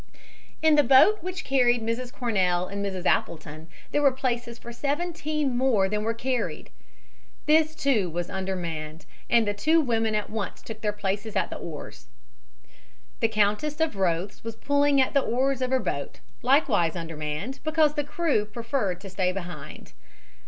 In the boat which carried Mrs. Cornell and Mrs. Appleton there were places for seventeen more than were carried. This too was undermanned and the two women at once took their places at the oars. The Countess of Rothes was pulling at the oars of her boat, likewise undermanned because the crew preferred to stay behind.